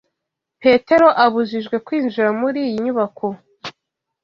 Petero abujijwe kwinjira muri iyi nyubako.